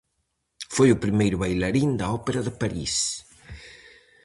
Foi o primeiro bailarín da ópera de París.